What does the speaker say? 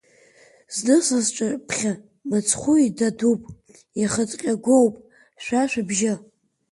Зны са сҿаԥхьа мыцхәы идадуп, ихыҭҟьагоуп шәа шәыбжьы…